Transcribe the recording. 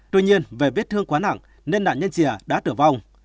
tuy nhiên về viết thương quá nặng nên nạn nhân chìa đã tử vong